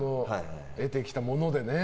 得てきたものでね。